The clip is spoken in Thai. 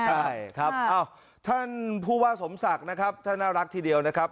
ใช่ครับท่านผู้ว่าสมศักดิ์นะครับท่านน่ารักทีเดียวนะครับ